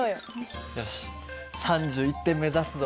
よし３１点目指すぞ。